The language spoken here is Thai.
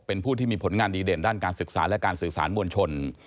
เป็นผู้ที่มีผลงานดีเด่นด้านการศึกษาและการสื่อสารมวลชน